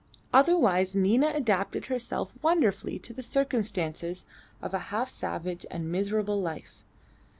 Otherwise Nina adapted herself wonderfully to the circumstances of a half savage and miserable life.